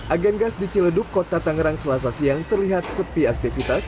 agen gas di ciledug kota tangerang selasa siang terlihat sepi aktivitas